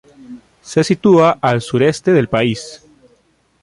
Se sitúa al sureste del país.